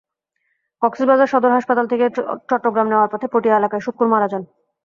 কক্সবাজার সদর হাসপাতাল থেকে চট্টগ্রাম নেওয়ার পথে পটিয়া এলাকায় শুক্কুর মারা যান।